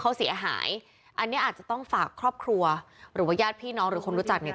เขาเสียหายอันนี้อาจจะต้องฝากครอบครัวหรือว่าญาติพี่น้องหรือคนรู้จักเนี่ย